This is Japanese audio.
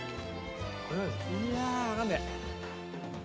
いやわかんねえ。